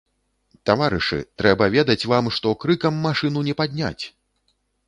Таварышы, трэба ведаць вам, што крыкам машыну не падняць.